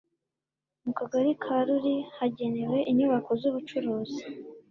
mu Kagari ka Ruli hagenewe inyubako z'ubucuruzi